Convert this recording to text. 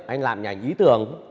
anh làm những ảnh ý tưởng